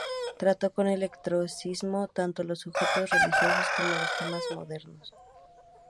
Trató con eclecticismo tanto los sujetos religiosos como los temas modernos.